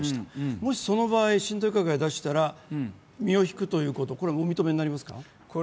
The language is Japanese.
もし、その場合進退伺を出したら身を引くということこれはお認めになりますか？